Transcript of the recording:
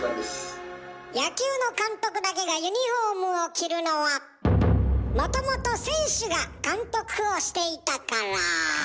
野球の監督だけがユニフォームを着るのはもともと選手が監督をしていたから。